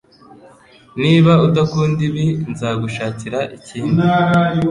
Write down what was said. Niba udakunda ibi, nzagushakira ikindi.